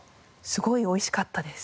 すごいおいしかったです。